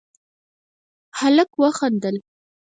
هلک وخندل: